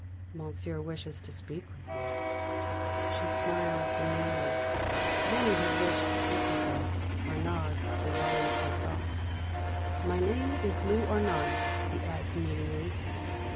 "Monsieur wishes to speak with you." She smiles demurely. Many have wished to speak with her. Arnaud divines her thoughts. "My name is Lou Arnaud!" he adds meaningly.